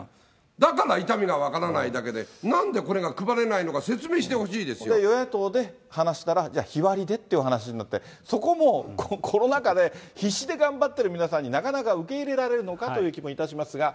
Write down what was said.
だから痛みが分からないだけで、なんでこれが配れないのか、説明与野党で話したら、じゃあ、日割りでってお話になって、そこも、コロナ禍で必死で頑張ってる皆さんになかなか受け入れられるのかという気もいたしますが。